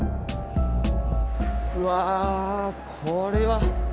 うわあこれは。